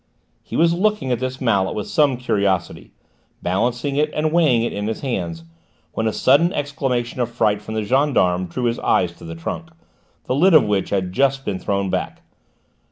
He was looking at this mallet with some curiosity, balancing and weighing it in his hands, when a sudden exclamation of fright from the gendarme drew his eyes to the trunk, the lid of which had just been thrown back.